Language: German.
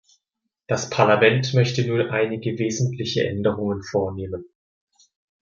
Das Parlament möchte nun einige wesentliche Änderungen vornehmen.